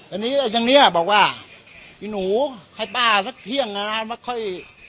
อันนี้ทางนี้บอกว่าอีหนูให้ป้าสักเที่ยงนะมาค่อย